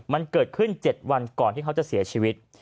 มันเกิดขึ้น๗วันก่อนที่เขาจะเสียชีวิต